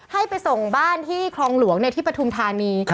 ให้ไปส่งบ้านที่คลองหลวงในที่ปฐุมธานี